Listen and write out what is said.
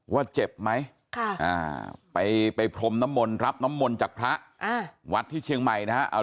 ว่าเจ็บไหมไปพรมน้ำมนต์รับน้ำมนต์จากพระวัดที่เชียงใหม่นะฮะ